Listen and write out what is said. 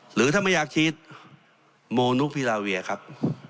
หรือถ้าไม่อยากฉีดโมนุพิราเวียครับ